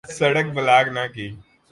سڑک بلاک نہ کی۔